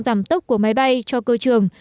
giảm tốc của máy bay cho cơ trường